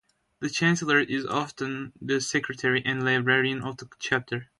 The chancellor is often the secretary and librarian of the chapter.